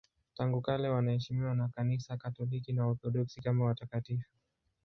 Tangu kale wanaheshimiwa na Kanisa Katoliki na Waorthodoksi kama watakatifu.